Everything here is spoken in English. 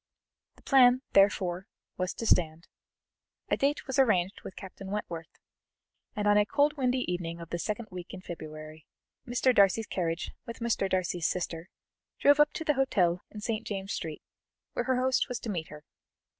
The plan, therefore, was to stand. A date was arranged with Captain Wentworth, and on a cold windy evening of the second week in February, Mr. Darcy's carriage with Mr. Darcy's sister, drove up to the hotel in St. James's Street where her host was to meet her.